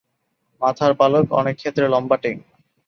মাথার পালক অনেকক্ষেত্রে লম্বাটে।